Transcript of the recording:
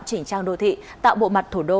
chỉnh trang đô thị tạo bộ mặt thủ đô